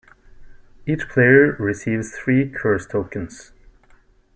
Each player receives three "curse tokens".